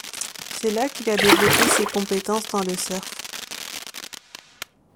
C'est là qu'il a développé ses compétences dans le surf.